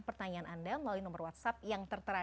pertanyaan anda melalui nomor whatsapp yang tertera